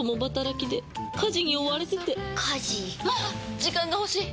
時間が欲しい！